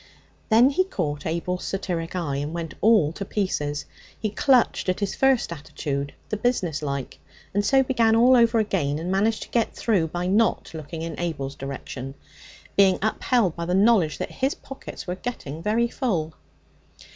Then he caught Abel's satiric eye, and went all to pieces. He clutched at his first attitude the business like and so began all over again, and managed to get through by not looking in Abel's direction, being upheld by the knowledge that his pockets were getting very full.